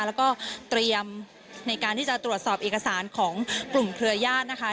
แล้วก็เตรียมในการที่จะตรวจสอบเอกสารของกลุ่มเครือญาตินะคะ